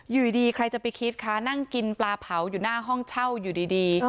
อยู่ดีใครจะไปคิดคะนั่งกินปลาเผาอยู่หน้าห้องเช่าอยู่ดี